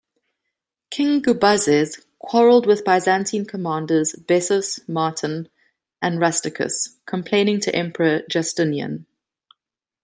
King Gubazes quarreled with Byzantine commanders Bessas, Martin, and Rusticus, complaining to emperor Justinian.